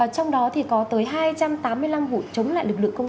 trong đó thì có tới hai trăm tám mươi năm vụ chống lại lực lượng công an